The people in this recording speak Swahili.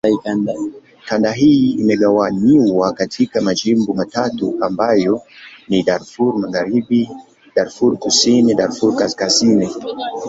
Kanda hii imegawanywa katika majimbo matatu ambayo ni: Darfur Magharibi, Darfur Kusini, Darfur Kaskazini.